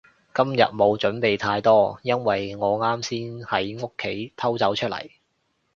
今日冇準備太多，因為我啱先喺屋企偷走出嚟